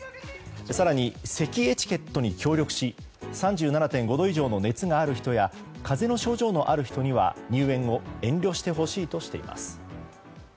更に、せきエチケットに協力し３７．５度以上の熱がある人や風邪の症状がある人には入園を遠慮してほしいとしています。